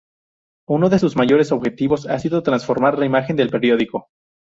Uno de sus mayores objetivos ha sido transformar la imagen del periódico.